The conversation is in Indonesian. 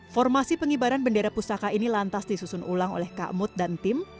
formasi pengibaran bendera pusaka ini lantas disusun ulang oleh kak mut dan tim